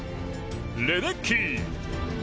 レデッキー。